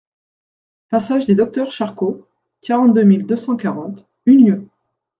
Passage des Docteurs Charcot, quarante-deux mille deux cent quarante Unieux